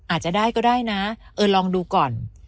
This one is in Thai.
อาจจะได้ก็ได้นะเออลองดูก่อน